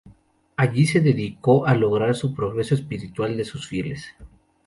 Allí se dedicó a lograr el progreso espiritual de sus fieles.